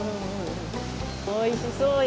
おいしそうや。